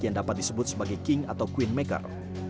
yang dapat disebut sebagai king atau queenmaker